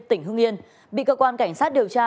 tỉnh hưng yên bị cơ quan cảnh sát điều tra